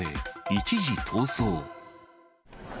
一時逃走。